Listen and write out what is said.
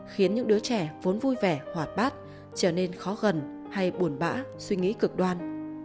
khiến những đứa trẻ vốn vui vẻ hoạt bát trở nên khó gần hay buồn bã suy nghĩ cực đoan